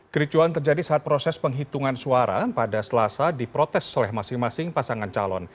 kericuan terjadi saat proses penghitungan suara pada selasa diprotes oleh masing masing pasangan calon